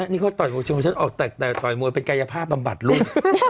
นี่เขาต่อยมวยชั้นออกแตนต่อยมวยเป็นกายภาพบำบัดลูก